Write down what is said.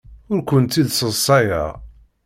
Ur kent-id-sseḍsayeɣ.